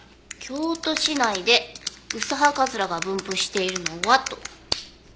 京都市内でウスハカズラが分布しているのはと。